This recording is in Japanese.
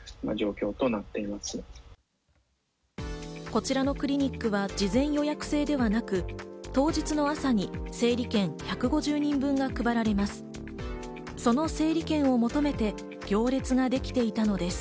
こちらのクリニックは事前予約制ではなく、当日の朝に整理券１５０人分が配られます。